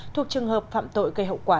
thuộc trường hợp phạm tội gây hậu quả